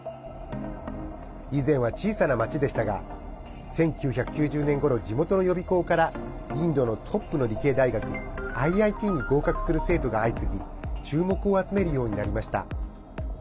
以前は小さな街でしたが１９９０年ごろ地元の予備校からインドのトップの理系大学ＩＩＴに合格する生徒が相次ぎ注目を集めるようになりました。